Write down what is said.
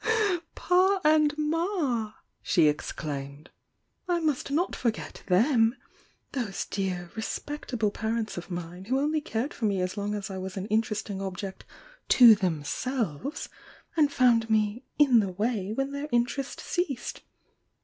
"Pa and Ma!" she exclaimed— "I must not for get t^em.' Those dear, respectable parents of mine, who only cared for me as long as I wos aa mterest mg object to themselves, and found me 'in the way* when their interest ceased!